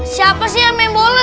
siapa sih yang main bola